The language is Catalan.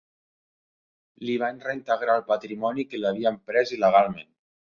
Li van reintegrar el patrimoni que li havien pres il·legalment.